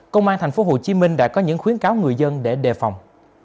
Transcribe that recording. công an tp hcm đã có những khuyến cáo người dân để đề phòng